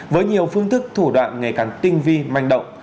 với nhiều phương thức thủ đoạn ngày càng tinh vi manh động